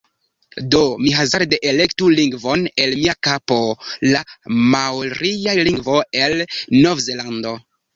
Do, mi hazarde elektu lingvon el mia kapo... la maoria lingvo el Novzelando